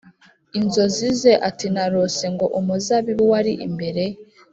inzozi ze ati Narose ngo umuzabibu wari imbere